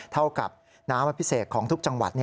เท่ากับน้ำอภิเษกของทุกจังหวัด